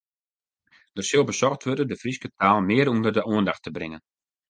Der sil besocht wurde de Fryske taal mear ûnder de oandacht te bringen.